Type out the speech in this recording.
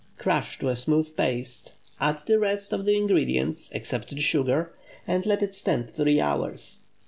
Crush to a smooth paste; add the rest of the ingredients (except the sugar), and let it stand three hours.